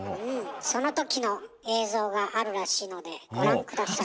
その時の映像があるらしいのでご覧下さい。